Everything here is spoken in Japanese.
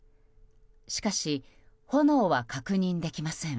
しかし、炎は確認できません。